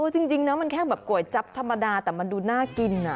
จริงนะมันแค่แบบก๋วยจั๊บธรรมดาแต่มันดูน่ากิน